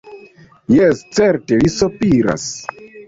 Jes, certe ili sopiras.